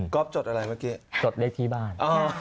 จดอะไรเมื่อกี้จดเลขที่บ้าน